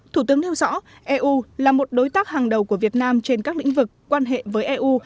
thủ tướng nêu rõ eu là một đối tác hàng đầu của việt nam trên các lĩnh vực quan hệ với eu